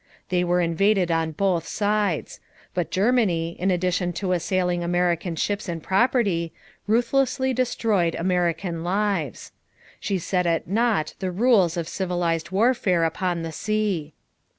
They were invaded on both sides; but Germany, in addition to assailing American ships and property, ruthlessly destroyed American lives. She set at naught the rules of civilized warfare upon the sea.